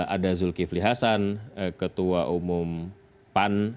ada zulkifli hasan ketua umum pan